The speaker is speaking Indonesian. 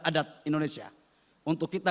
adat indonesia untuk kita